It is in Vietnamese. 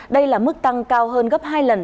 đây là mức tăng cao hơn gấp hai lần